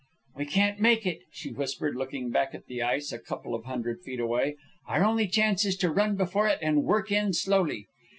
"We can't make it," she whispered, looking back at the ice a couple of hundred feet away. "Our only chance is to run before it and work in slowly."